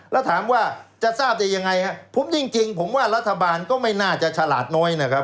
แล้วถามว่าจะทราบได้ยังไงครับผมจริงผมว่ารัฐบาลก็ไม่น่าจะฉลาดน้อยนะครับ